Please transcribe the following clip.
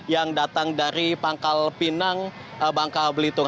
yang datang dari pangkal pinang bangka belitung